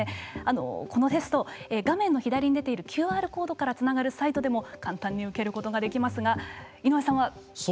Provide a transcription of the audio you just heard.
このテスト画面の左に出ているＱＲコードからつながるサイトでも簡単に受けることができますが井上さんは？